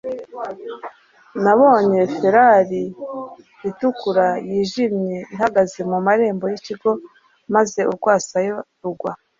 Nabonye Ferrari itukura yijimye ihagaze ku marembo yikigo maze urwasaya rugwa